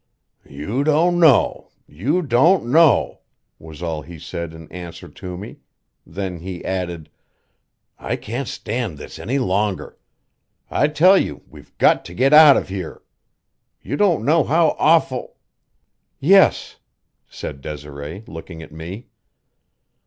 "You don't know, you don't know," was all he said in answer to me; then he added; "I can't stand this any longer. I tell you we've got to get out of here. You don't know how awful " "Yes," said Desiree, looking at me.